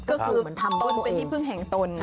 ก็คือเหมือนทำตนเป็นที่พึ่งแห่งตน